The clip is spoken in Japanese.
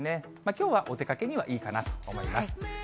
きょうはお出かけにはいいかなと思います。